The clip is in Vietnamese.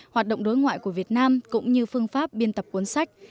hoạt động đối ngoại của việt nam cũng như phương pháp biên tập cuốn sách